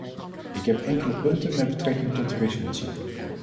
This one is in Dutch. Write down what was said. Ik heb enkele punten met betrekking tot de resolutie.